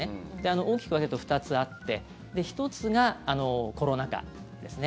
大きく分けると２つあって１つがコロナ禍ですね。